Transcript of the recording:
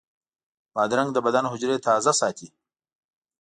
بادرنګ د بدن حجرې تازه ساتي.